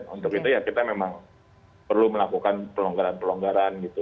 untuk itu ya kita memang perlu melakukan pelonggaran pelonggaran gitu